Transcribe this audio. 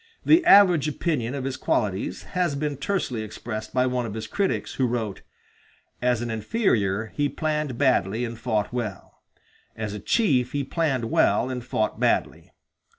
The average opinion of his qualities has been tersely expressed by one of his critics, who wrote: "As an inferior he planned badly and fought well; as a chief he planned well and fought badly."